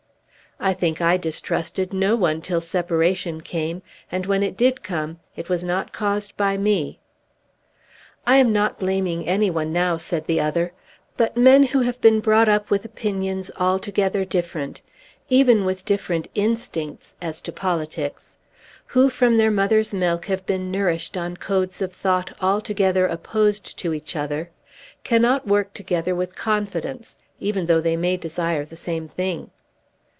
"I think I distrusted no one till separation came, and when it did come it was not caused by me." "I am not blaming any one now," said the other; "but men who have been brought up with opinions altogether different, even with different instincts as to politics, who from their mother's milk have been nourished on codes of thought altogether opposed to each other, cannot work together with confidence even though they may desire the same thing.